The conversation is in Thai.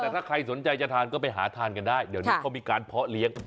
แต่ถ้าใครสนใจจะทานก็ไปหาทานกันได้เดี๋ยวนี้เขามีการเพาะเลี้ยง